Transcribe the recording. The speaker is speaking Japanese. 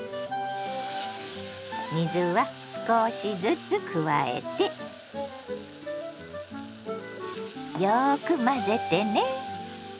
水は少しずつ加えてよく混ぜてね。